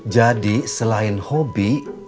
jadi selain hobi